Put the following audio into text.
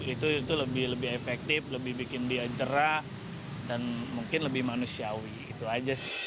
itu lebih efektif lebih bikin dia cerah dan mungkin lebih manusiawi itu aja sih